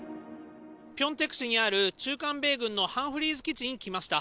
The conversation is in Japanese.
ピョンテク市にある駐韓米軍のハンフリーズ基地に来ました。